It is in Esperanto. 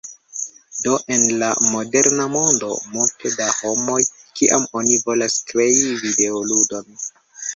Do en la moderna mondo multe da homoj, kiam oni volas krei videoludon